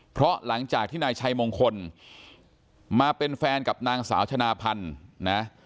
เพราะหลังจากที่นายชัยมงคลมาเป็นแฟนกับนางสาวชนะพันธ์นะ